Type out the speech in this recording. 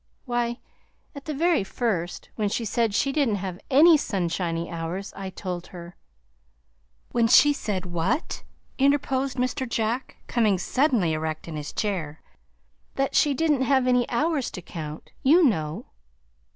"Why, at the very first, when she said she didn't have ANY sunshiny hours, I told her " "When she said what?" interposed Mr. Jack, coming suddenly erect in his chair. "That she didn't have any hours to count, you know."